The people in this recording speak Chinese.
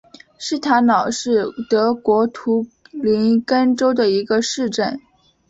施塔瑙是德国图林根州的一个市镇。